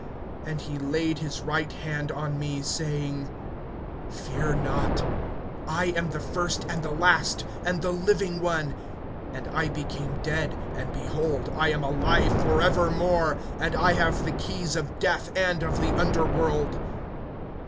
And he laid his right hand on me, saying: Fear not: I am the first and the last, (18)and the living one; and I became dead, and behold I am alive forevermore; and I have the keys of death and of the underworld.